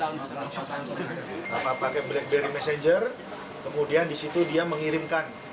kita pakai blackberry messenger kemudian di situ dia mengirimkan